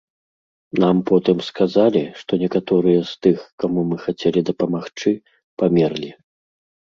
Нам потым сказалі, што некаторыя з тых, каму мы хацелі дапамагчы, памерлі.